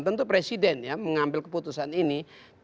tentu presiden ya mengambil keputusan ini